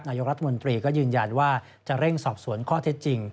นายกรัฐมนตรีก็ยืนยันว่าจะเร่งสอบสวนข้อเท็จจริง